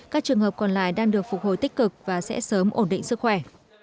các trường hợp còn lại đang được phục hồi tích cực và sẽ sớm ổn định sức khỏe